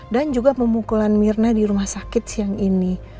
dan juga pemukulan mirna di rumah sakit siang ini